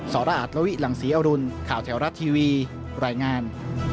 สระอาทรวิหลังศรีอรุณข่าวแถวรัฐทีวีรายงาน